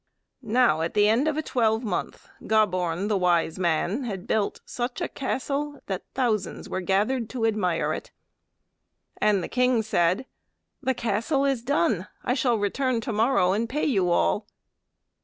Now, at the end of a twelvemonth, Gobborn, the wise man, had built such a castle thousands were gathered to admire it. And the king said: "The castle is done. I shall return to morrow and pay you all."